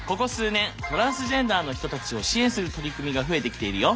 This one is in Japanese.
トランスジェンダーの人たちを支援する取り組みが増えてきているよ。